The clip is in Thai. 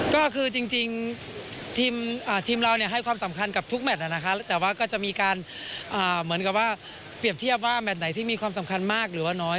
ก็คือจริงทีมเราให้ความสำคัญกับทุกแมทแต่ว่าก็จะมีการเหมือนกับว่าเปรียบเทียบว่าแมทไหนที่มีความสำคัญมากหรือว่าน้อย